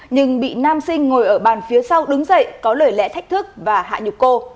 nhưng bị nam sinh ngồi ở bàn phía sau đứng dậy có lời lẽ thách thức và hạ nhục cô